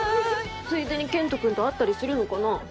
ついでに健人君と会ったりするのかな？